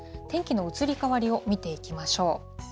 天気の移り変わりを見ていきましょう。